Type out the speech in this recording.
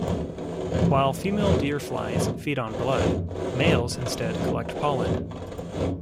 While female deer flies feed on blood, males instead collect pollen.